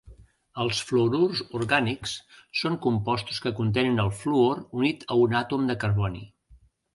Els fluorurs orgànics són compostos que contenen el fluor unit a un àtom de carboni.